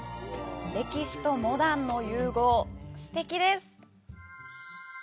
歴史とモダンの融合、すてきです。